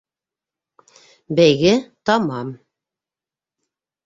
—Бәйге тамам!